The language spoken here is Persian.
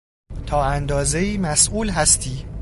تا اندازهای مسئول هستی.